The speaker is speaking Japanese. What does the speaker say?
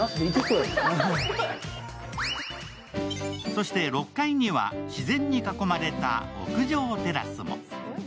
そして６階には自然に囲まれた屋上テラスも。